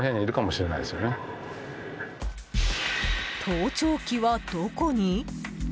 盗聴器はどこに？